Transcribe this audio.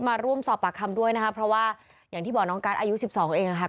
มาร่วมสอบปากคำด้วยนะคะเพราะว่าอย่างที่บอกน้องการ์ดอายุสิบสองเองค่ะ